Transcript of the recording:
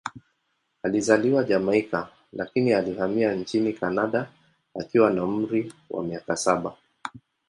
Alizaliwa Jamaika, lakini alihamia nchini Kanada akiwa na umri wa miaka saba.